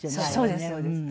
そうですそうです。